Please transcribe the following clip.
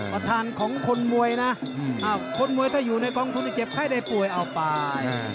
ประธานของคนมวยนะคนมวยถ้าอยู่ในกองทุนเจ็บไข้ได้ป่วยเอาไป